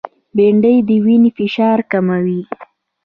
بېنډۍ د وینې فشار کموي